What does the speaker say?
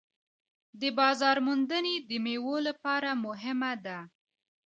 د بازار موندنه د میوو لپاره مهمه ده.